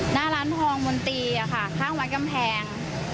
หน้าร้านทองมนตรีค่ะข้างวัดกำแพง